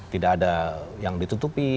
tidak ada yang ditutupi